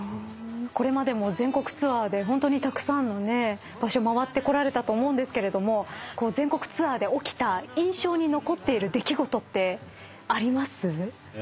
これまでも全国ツアーでホントにたくさんの場所回ってこられたと思うんですけど全国ツアーで起きた印象に残っている出来事ってあります？